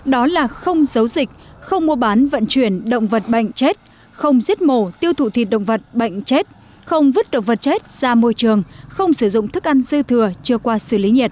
đó là không giấu dịch không mua bán vận chuyển động vật bệnh chết không giết mổ tiêu thụ thịt động vật bệnh chết không vứt động vật chết ra môi trường không sử dụng thức ăn dư thừa chưa qua xử lý nhiệt